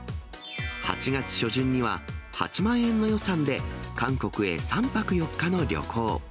８月初旬には、８万円の予算で、韓国へ３泊４日の旅行。